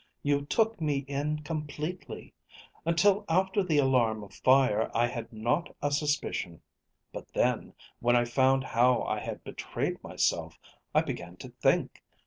You took me in completely. Until after the alarm of fire, I had not a suspicion. But then, when I found how I had betrayed myself, I began to think.